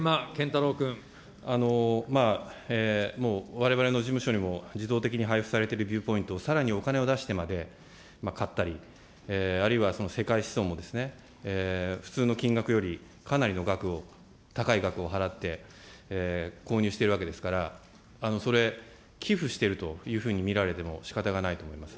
まあ、もうわれわれの事務所にも、自動的に配布されているビューポイント、さらにお金を出してまで買ったり、あるいは、世界思想も普通の金額よりかなりの額を、高い額を払って、購入しているわけですから、それ、寄付してるというふうに見られてもしかたがないと思います。